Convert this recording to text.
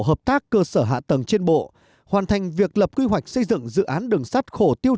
hợp tác cơ sở hạ tầng trên bộ hoàn thành việc lập quy hoạch xây dựng dự án đường sắt khổ tiêu